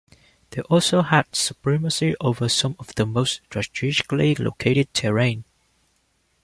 They also had supremacy over some of the most strategically located terrain.